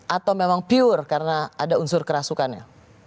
atau memang pure karena ada unsur kerasukannya